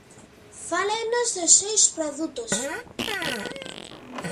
Fálenos dos seus produtos.